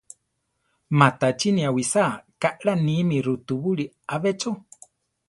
Matachíni awisáa kaʼlá níme rutubúli ‘a be cho.